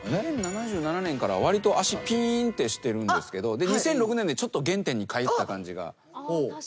７７年からはわりと足ピーンってしてるんですけど２００６年でちょっと原点に返った感じが。